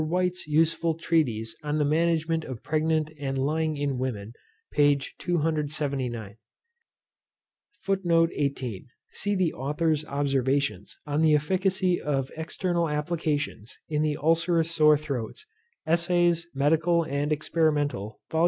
White's useful treatise on the management of pregnant and lying in women, p. 279. See the author's observations on the efficacy of external applications in the ulcerous sore throats, Essays medical and experimental, Vol.